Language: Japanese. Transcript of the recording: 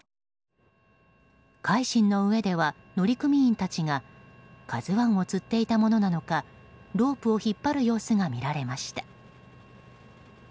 「海進」の上では乗組員たちが「ＫＡＺＵ１」をつっていたものなのかロープを引っ張る様子が見られました。